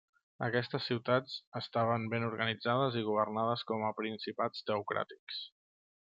Aquestes ciutats estaven ben organitzades i governades com a principats teocràtics.